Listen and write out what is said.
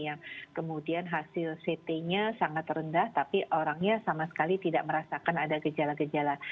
yang kemudian hasil ct nya sangat rendah tapi orangnya sama sekali tidak merasakan ada gejala gejala